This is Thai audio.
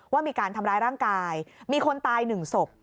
ว่ามีการทำร้ายร่างกายมีคนตายหนึ่งศพ